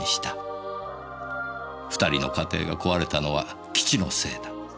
２人の家庭が壊れたのは基地のせいだ。